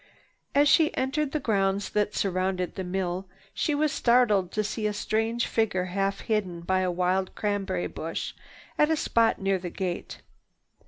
As she entered the grounds that surrounded the mill, she was startled to see a strange figure half hidden by a wild cranberry bush at a spot near the gate.